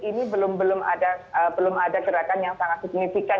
ini belum ada gerakan yang sangat signifikan